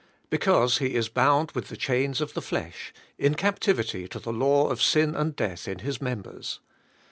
Because he is bound with the chains of the flesh, in captivity to the law of sin and death in his members.